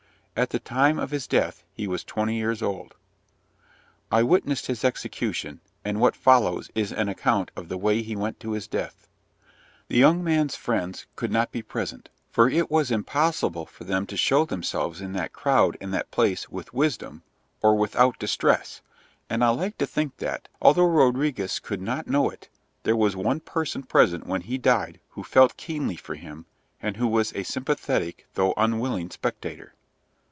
At the time of his death he was twenty years old. I witnessed his execution, and what follows is an account of the way he went to his death. The young man's friends could not be present, for it was impossible for them to show themselves in that crowd and that place with wisdom or without distress, and I like to think that, although Rodriguez could not know it, there was one person present when he died who felt keenly for him, and who was a sympathetic though unwilling spectator.